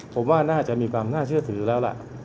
ผมว่าน่าจะมีความน่าเชื่อถือแล้วล่ะ